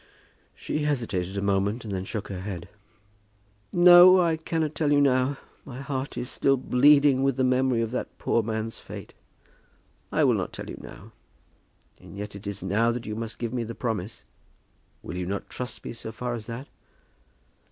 She hesitated a moment, and then shook her head. "No. I cannot tell you now. My heart is still bleeding with the memory of that poor man's fate. I will not tell you now. And yet it is now that you must give me the promise. Will you not trust me so far as that?"